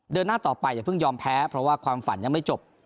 เดินหน้าต่อไปอย่าเพิ่งยอมแพ้เพราะว่าความฝันยังไม่จบ